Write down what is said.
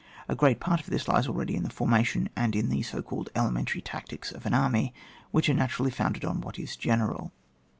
A great part of this lies already in the formation, and in the so called elementary tactics of an army, which are naturally founded only on what is general.